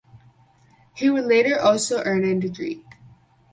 He would later also earn an degree.